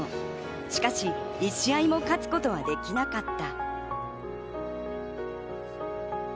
しかし１試合も勝つことができなかった。